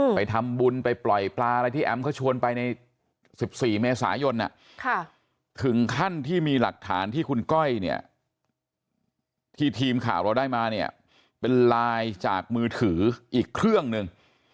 ไปทำบุญไปปล่อยปลาอะไรที่แอมเขาชวนไปใน๑๔เมษายนถึงขั้นที่มีหลักฐานที่คุณก้อยเนี่ยที่ทีมข่าวเราได้มาเนี่ยเป็นไลน์จากมือถืออีกเครื่องหนึ่ง